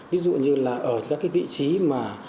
ví dụ như là ở các cái vị trí mà